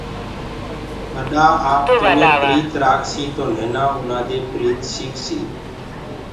ٻڏآ آپتو مي پريت رآکسيٚ تو نهينآ آُنآ دي پريت سيٚڪسيٚ